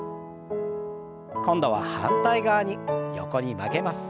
今度は反対側に横に曲げます。